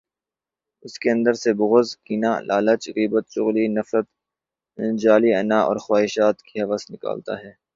اس کے اندر سے بغض، کینہ، لالچ، غیبت، چغلی، نفرت، جعلی انااور خواہشات کی ہوس نکالتا ہے۔